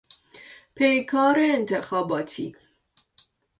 پیکار انتخاباتی